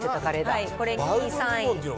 これ、２位、３位。